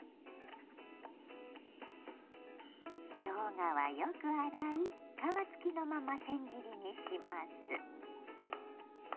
しょうがはよく洗い皮付きのまません切りにします。